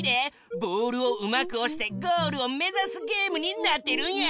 ボールをうまくおしてゴールをめざすゲームになってるんや。